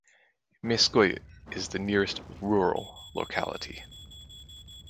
Mayskoye is the nearest rural locality.